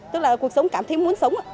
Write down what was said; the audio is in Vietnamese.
tức là cuộc sống cảm thấy muốn sống